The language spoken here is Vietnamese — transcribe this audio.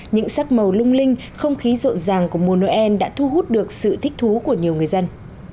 những sắc màu lung linh không khí rộn ràng của mùa noel đã thu hút được sự thích thú của nhiều người dân